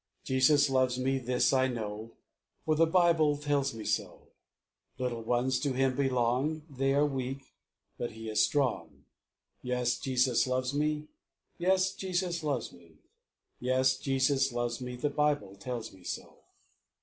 1. "Jesus loves me, this I know, For the Bible tells me so; Little ones to Him belong, They are weak, but He is strong. "Yes, Jesus loves me, Yes, Jesus loves me, Yes, Jesus loves me The Bible tells me so.